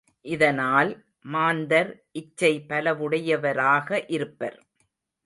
இதனால், மாந்தர் இச்சை பலவுடையவராக இருப்பர்.